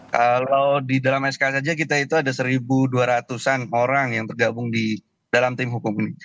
kalau di dalam sk saja kita itu ada satu dua ratus an orang yang tergabung di dalam tim hukum ini